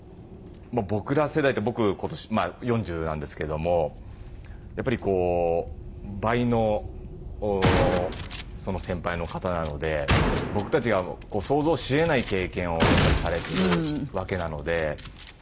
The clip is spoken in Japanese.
僕ら世代って僕今年４０なんですけどもやっぱりこう倍のその先輩の方なので僕たちが想像し得ない経験をやっぱりされてるわけなので。